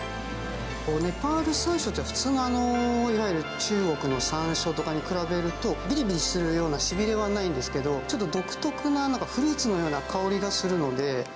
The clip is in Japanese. ネパールさんしょうって、普通のいわゆる中国のさんしょうとかに比べると、びりびりするようなしびれはないんですけど、ちょっと独特な、なんかフルーツのような香りがするので。